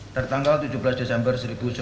tertanggal tujuh belas desember